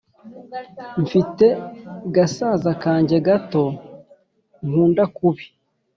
Mfite gasaza kanjye gato nkunda kubi